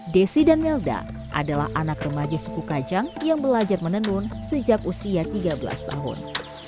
desi dan melda adalah anak remaja suku kajang yang belajar menenun sejak usia tiga belas tahun